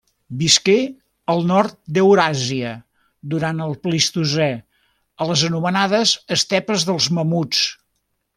Visqué al nord d'Euràsia durant el Plistocè, a les anomenades estepes dels mamuts.